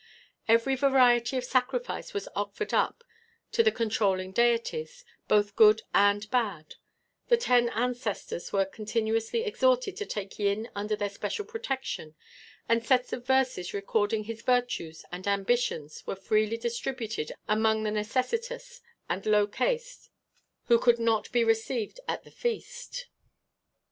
Every variety of sacrifice was offered up to the controlling deities, both good and bad; the ten ancestors were continuously exhorted to take Yin under their special protection, and sets of verses recording his virtues and ambitions were freely distributed among the necessitous and low caste who could not be received at the feast.